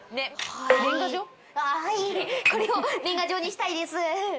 はいこれを年賀状にしたいです。